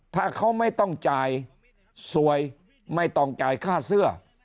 ถ้าเขาไม่ต้องจ่ายสวยไม่ต้องจ่ายค่าเสื้อ